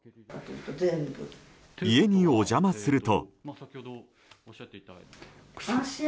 家にお邪魔すると。